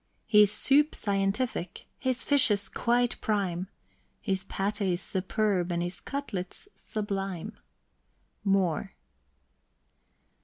His soup scientific, his fishes quite prime; His patés superb, and his cutlets sublime. MOORE.